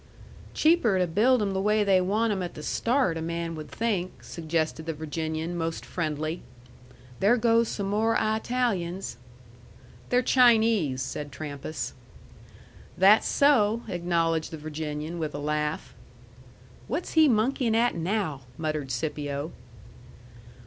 "Cheaper to build 'em the way they want 'em at the start, a man would think," suggested the Virginian, most friendly. "There go some more I talians." "They're Chinese," said Trampas. "That's so," acknowledged the Virginian, with a laugh. "What's he monkeyin' at now?" muttered Scipio.